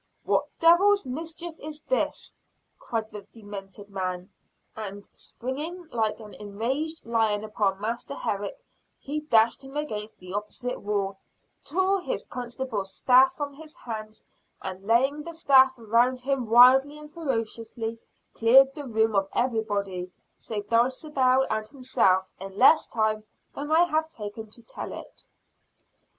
"What devil's mischief is this?" cried the demented man; and springing like an enraged lion upon Master Herrick, he dashed him against the opposite wall, tore his constable's staff from his hands and laying the staff around him wildly and ferociously cleared the room of everybody save Dulcibel and himself in less time than I have taken to tell it.